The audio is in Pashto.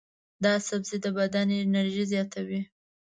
دا سبزی د بدن انرژي زیاتوي.